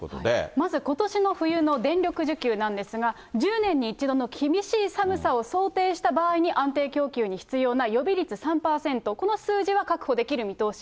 まずことしの冬の電力需給なんですが、１０年に１度の厳しい寒さを想定した場合に安定供給に必要な予備率３％、この数字は確保できる見通し。